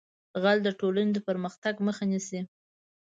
غل د ټولنې د پرمختګ مخه نیسي